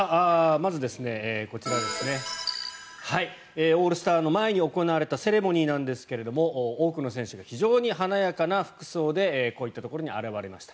まずこちらオールスターの前に行われたセレモニーなんですが多くの選手が非常に華やかな服装でこういったところに現れました。